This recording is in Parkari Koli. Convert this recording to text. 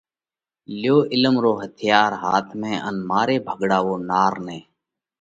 ليو هٿيار عِلم رو هاٿ ۾ ان ماري ڀڳڙاوو نار نئہ!